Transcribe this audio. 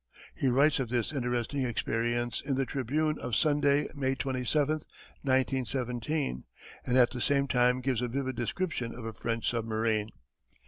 He writes of this interesting experience in the Tribune of Sunday, May 27, 1917, and at the same time gives a vivid description of a French submarine.